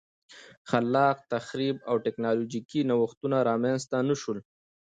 خلاق تخریب او ټکنالوژیکي نوښتونه رامنځته نه شول